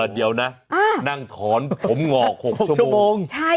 เดี๋ยวนะนั่งถอนผมงอก๖ชั่วโมง